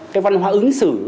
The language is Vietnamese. cái văn hóa ứng xử